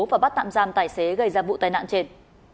và bắt tạm giam tài xế gây ra vụ tai nạn trên